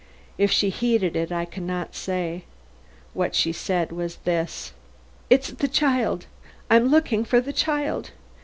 If she heeded it I can not say. What she said was this: "It's the child I'm looking for the child!